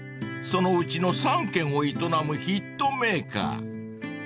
［そのうちの３軒を営むヒットメーカー］